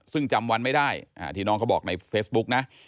ซึ่งจำวันไม่ได้ที่น้องเขาบอกในเฟซบุ๊กนะ